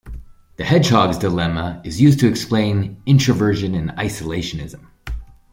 The hedgehog's dilemma is used to explain introversion and isolationism.